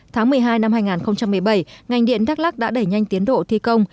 tháng một mươi hai năm hai nghìn một mươi bảy ngành điện đắk lắc đã đẩy nhanh tiến độ thi công